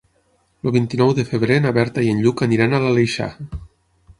El vint-i-nou de febrer na Berta i en Lluc aniran a l'Aleixar.